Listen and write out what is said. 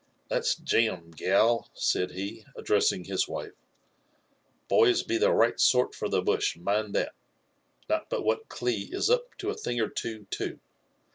Thai's jam, gal," said he, addressing his wife. Boys be the right sort for the bush, miitd that. Not but what Cli is up to a thing or two, too.